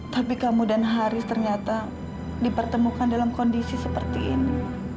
tapi kamu dan haris ternyata dipertemukan dalam kondisi seperti ini